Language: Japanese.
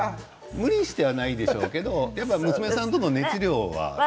無理してはないでしょうけれど、娘さんとの熱量は？